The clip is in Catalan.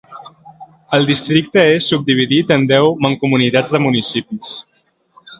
El districte és subdividit en deu mancomunitats de municipis.